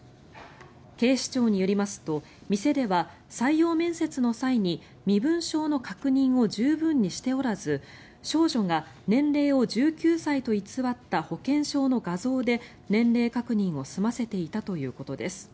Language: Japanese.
警視庁によりますと店では採用面接の際に身分証の確認を十分にしておらず少女が年齢を１９歳と偽った保険証の画像で年齢確認を済ませていたということです。